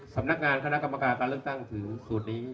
สำนักงานคณะกรรมการการเลือกตั้งถึงสูตรนี้